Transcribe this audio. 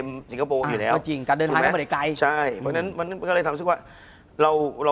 คุณผู้ชมบางท่าอาจจะไม่เข้าใจที่พิเตียร์สาร